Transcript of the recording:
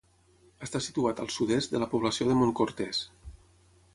Està situat al sud-est de la població de Montcortès.